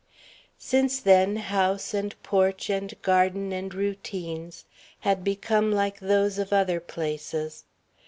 Since then house and porch and garden and routines had become like those of other places.